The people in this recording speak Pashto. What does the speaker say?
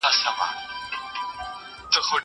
زه به سبا نان خورم!